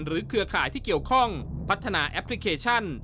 เครือข่ายที่เกี่ยวข้องพัฒนาแอปพลิเคชัน